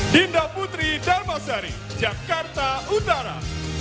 dinda putri dharmasari jakarta utara